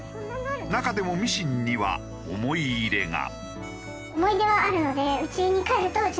中でもミシンには思い入れが。